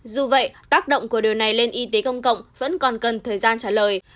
dù vậy tác động của điều này lên y tế công cộng vẫn còn cần thời gian trả lời